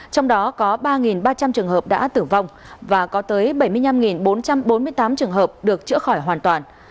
trong đó có ba ba trăm linh trường hợp đã tử vong và có tới bảy mươi năm bốn trăm bốn mươi tám trường hợp được chữa khỏi hoàn toàn